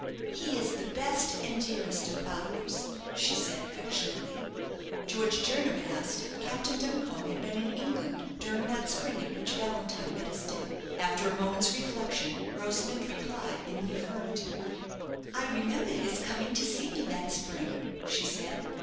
"He is the best and dearest of fathers," she said, affectionately. George Jernam asked if Captain Duncombe had been in England during that spring in which Valentine met his death. After a moment's reflection, Rosamond replied in the affirmative. "I remember his coming to see me that spring," she said.